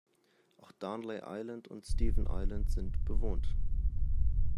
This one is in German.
Auch Darnley Island und Stephens Island sind bewohnt.